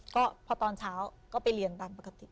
ก็พอตอนเช้าก็ไปเรียนตามปกติ